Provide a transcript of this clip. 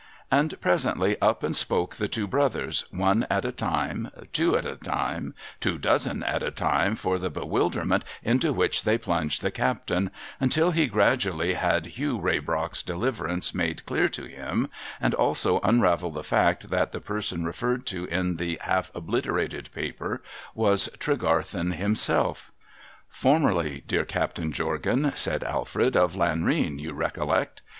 And presently up and spoke the two brothers, one at a time, two at a time, two dozen at a time for the bewilderment into which they plunged the captain, until he gradually had Hugh Raybrock's deliverance made clear to him, and also un ravelled the fact that the person referred to in the half obliterated paper was Tregarthen himself. THE COURSE OF ACTION SETTLED 243 ' Formerly, dear Captain Jorgan,' said Alfred, ' of Lanrean, you recollect?